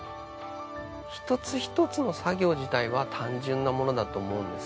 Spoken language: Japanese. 一つ一つの作業自体は単純なものだと思うんです。